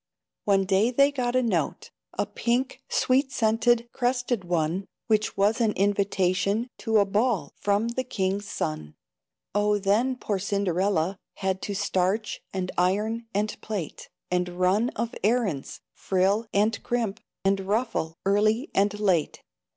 One day they got a note, a pink, Sweet scented, crested one, Which was an invitation To a ball, from the king's son. Oh, then poor Cinderella Had to starch, and iron, and plait, And run of errands, frill and crimp, And ruffle, early and late.